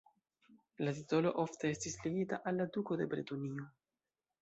La titolo ofte estis ligita al la duko de Bretonio.